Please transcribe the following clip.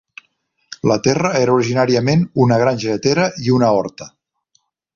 La terra era originàriament una granja lletera i una horta.